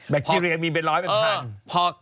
คทีเรียมีเป็นร้อยเป็นพัน